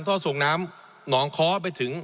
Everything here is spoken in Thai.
ท่อส่งน้ำหนองค้อไปถึง